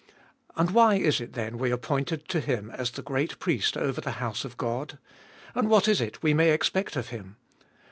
And why is it then we are pointed to Him as the great Priest over the house of God ? And what is it we may expect of Him